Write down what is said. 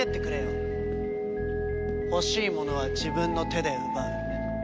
欲しいものは自分の手で奪う。